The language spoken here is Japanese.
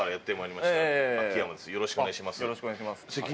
よろしくお願いします。